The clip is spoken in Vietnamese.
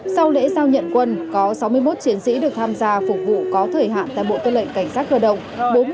sau lễ giao nhận quân có sáu mươi một chiến sĩ được tham gia phục vụ có thời hạn tại bộ tư lệnh cảnh sát cơ động